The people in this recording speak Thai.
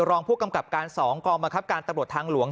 รองผู้กำกับการ๒กองบังคับการตำรวจทางหลวง